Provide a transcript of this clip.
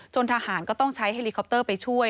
ทหารก็ต้องใช้เฮลิคอปเตอร์ไปช่วย